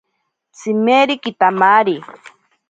Tsimeri kitamari.